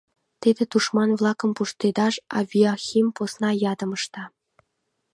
Тиде тушман-влакым пуштедаш авиахим посна ядым ышта.